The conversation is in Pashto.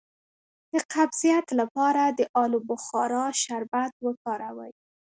د قبضیت لپاره د الو بخارا شربت وکاروئ